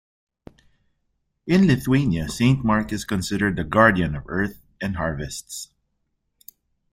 In Lithuania, Saint Mark is considered the guardian of earth and harvests.